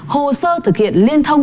hồ sơ thực hiện liên thông